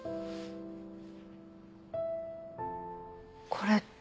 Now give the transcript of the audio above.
これって。